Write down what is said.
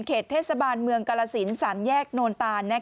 เขตเทศบาลเมืองกระศิลป์๓แยกโนตาน